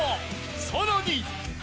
さらに］